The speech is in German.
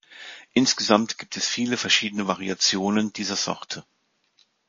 Insgesamt gibt es viele verschiedene Variationen dieser Sorte.